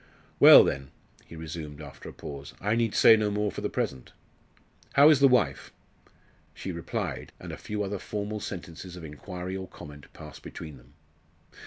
"Well, then," he resumed after a pause, "I need say no more for the present. How is the wife?" She replied, and a few other formal sentences of inquiry or comment passed between them.